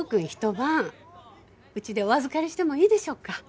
晩うちでお預かりしてもいいでしょうか？